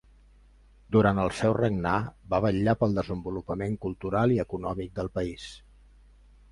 Durant el seu regnar va vetllar pel desenvolupament cultural i econòmic del país.